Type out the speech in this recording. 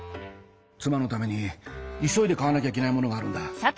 妻のために急いで買わなきゃいけないものがあるんだ。